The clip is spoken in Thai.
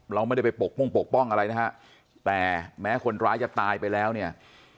เราไม่ได้ไปปกป้องปกป้องอะไรนะฮะแต่แม้คนร้ายจะตายไปแล้วเนี่ย